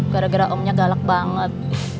gara gara omnya galak banget